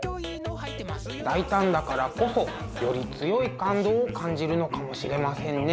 大胆だからこそより強い感動を感じるのかもしれませんね。